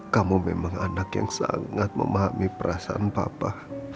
kamu memang anak yang sangat memahami perasaan papa